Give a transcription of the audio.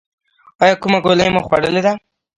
ایا کومه ګولۍ مو خوړلې ده؟